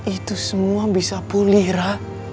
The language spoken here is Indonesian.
itu semua bisa pulih ra